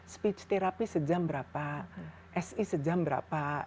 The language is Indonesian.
speech therapy sejam berapa si sejam berapa